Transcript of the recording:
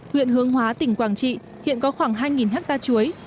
huyện hương hóa tỉnh quảng trị hiện có khoảng hai ha chuối